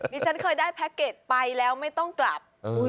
ฉันเคยได้แพ็คเกจไปแล้วไม่ต้องกลับ